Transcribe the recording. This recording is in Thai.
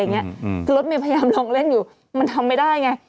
อย่างเงี้ยอืมรถเมียพยายามลองเล่นอยู่มันทำไม่ได้ไง